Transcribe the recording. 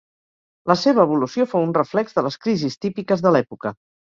La seva evolució fou un reflex de les crisis típiques de l'època.